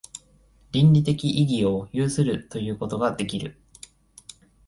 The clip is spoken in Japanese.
倫理的意義を有するということができる。